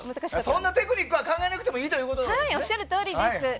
そんなテクニックは考えなくていいということですね。